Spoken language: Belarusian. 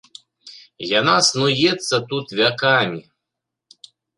Яна снуецца тут вякамі.